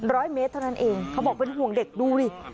ร้อยเมตรเท่านั้นเองเขาบอกเป็นห่วงเด็กดูดิ